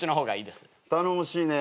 頼もしいね。